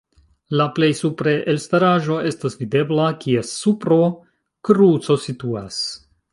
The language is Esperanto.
La plej supre elstaraĵo estas videbla, kies supro kruco situas.